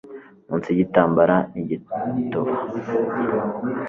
munsi yigitambara nigituba